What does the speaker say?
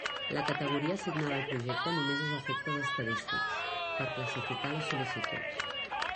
La categoria assignada al projecte només és a efectes estadístics, per classificar les sol·licituds.